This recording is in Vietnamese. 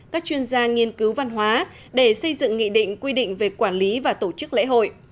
các chuyên gia nghiên cứu văn hóa để xây dựng nghị định quy định về quản lý và tổ chức lễ hội